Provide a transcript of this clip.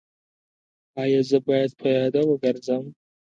ایا زه باید پیاده وګرځم؟